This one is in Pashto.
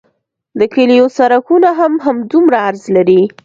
د کلیو سرکونه هم همدومره عرض لري